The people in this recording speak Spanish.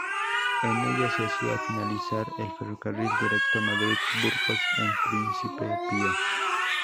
En ella se hacía finalizar el ferrocarril directo Madrid-Burgos en Príncipe Pío.